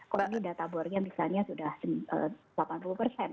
kalau ini data bornya misalnya sudah delapan puluh persen